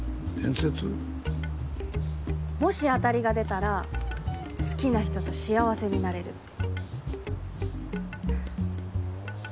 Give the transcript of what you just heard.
もしあたりが出たら好きな人と幸せになれるって。